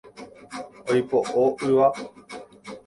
Oipo'o yva.